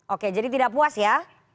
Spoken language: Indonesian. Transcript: oke jadi tidak puas ya